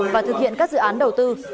và thực hiện các dự án đầu tư